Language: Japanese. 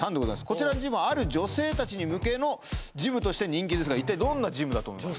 こちらのジムはある女性たち向けのジムとして人気ですが一体どんなジムだと思いますか？